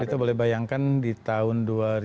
mas vito boleh bayangkan di tahun dua ribu